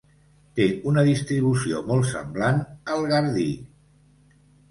Té una distribució molt semblant al gardí.